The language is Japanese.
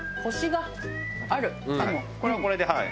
これはこれではい。